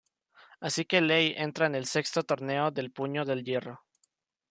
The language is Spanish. Así que Lei entra en el "Sexto Torneo del Puño del Hierro".